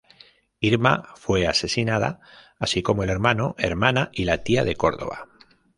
Irma fue asesinada, así como el hermano, hermana y la tía de Córdova.